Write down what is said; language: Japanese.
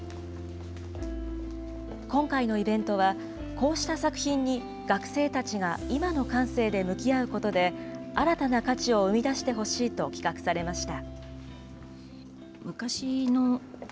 今回のイベントは、こうした作品に学生たちが今の感性で向き合うことで、新たな価値を生み出してほしいと企画されました。